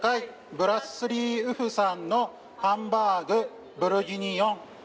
「ブラッスリーウフさんのハンバーグブルギニヨン」